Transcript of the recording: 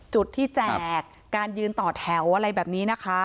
จุดที่แจกการยืนต่อแถวอะไรแบบนี้นะคะ